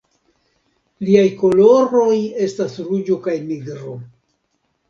Liaj koloroj estas ruĝo kaj nigro.